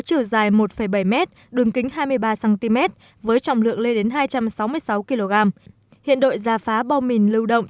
chiều dài một bảy m đường kính hai mươi ba cm với trọng lượng lên đến hai trăm sáu mươi sáu kg hiện đội giả phá bom mìn lưu động